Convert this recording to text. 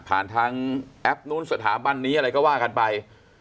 ทางแอปนู้นสถาบันนี้อะไรก็ว่ากันไป